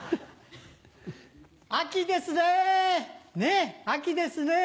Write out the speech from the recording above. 秋ですねぇねぇ秋ですねぇ。